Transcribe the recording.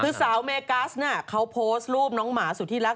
คือสาวเมกัสเนี่ยเขาโพสต์รูปน้องหมาสุธิรักษ